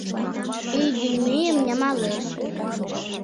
Ӱй ден мӱйым нямалеш